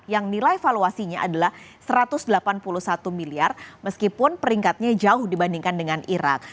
yang nilai valuasinya adalah satu ratus delapan puluh satu miliar meskipun peringkatnya jauh dibandingkan dengan irak